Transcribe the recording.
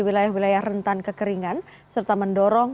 guna menghadapi el nino pada agustus mendatang